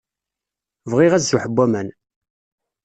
Bɣiɣ azuḥ n waman.